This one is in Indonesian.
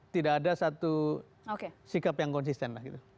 tidak ada satu sikap yang konsisten lah gitu